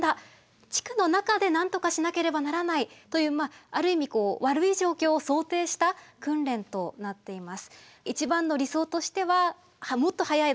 地区の中でなんとかしなければならない」というある意味悪い状況を想定した訓練となっています。